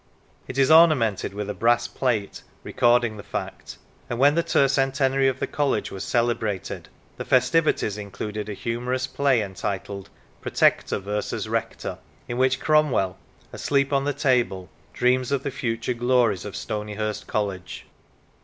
It is ornamented with a brass plate recording the fact; and when the Tercentenary of the College was celebrated, the festivities included a humorous play entitled " Pro tector versus Rector," in which Cromwell, asleep on the table, dreams of the future glories of Stonyhurst College.